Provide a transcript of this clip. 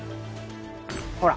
ほら